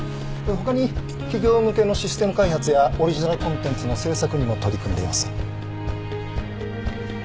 他に企業向けのシステム開発やオリジナルコンテンツの制作にも取り組んでいます。